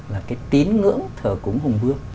là cái tín ngưỡng thờ cúng hùng vương